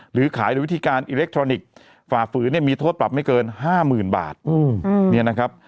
หรือขายโดยวิธีการอิเล็กทรอนิกส์ฝ่าฝืนเนี่ยมีโทษปรับไม่เกิน๕๐๐๐บาท